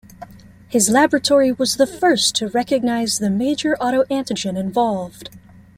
His laboratory was the first to recognise the major auto-antigen involved.